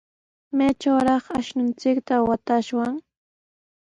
¿Maytrawraq ashnunchikta watashwan?